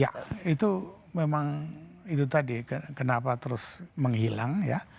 ya itu memang itu tadi kenapa terus menghilang ya